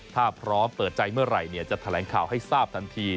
ถ้าพร้อมเปิดใจเมื่อไหร่จะแถลงข่าวให้ทราบทันที